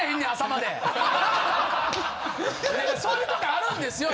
そういうとこあるんですよ！